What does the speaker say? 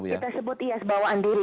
genetik kita sebut iya bawaan diri